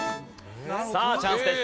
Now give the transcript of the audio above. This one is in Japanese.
さあチャンスです。